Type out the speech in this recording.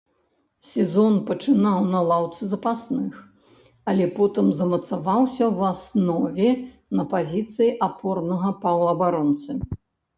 Сезон пачынаў на лаўцы запасных, але потым замацаваўся ў аснове на пазіцыі апорнага паўабаронцы.